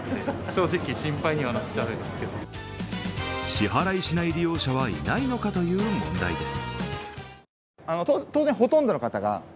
支払いしない利用者はいないのかという問題です。